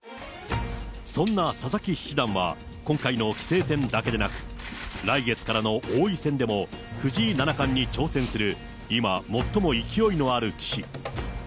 そんな佐々木七段は、今回の棋聖戦だけでなく、来月からの王位戦でも、藤井七冠に挑戦する今、最も勢いのある棋士。